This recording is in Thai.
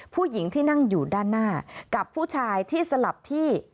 ผู้หญิงที่นั่งอยู่ด้านหน้ากับผู้ชายที่สลับที่